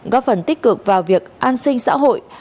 góp phần tích cực vào việc an sinh xã hội